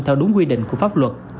theo đúng quy định của pháp luật